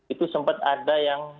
itu sempat ada yang